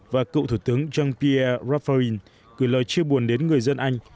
và cựu thủ tướng jean pierre rafain gửi lời chia buồn đến người dân anh